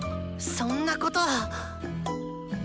そんなこと！